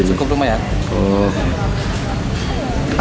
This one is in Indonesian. ya cukup lumayan